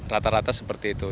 rata rata seperti itu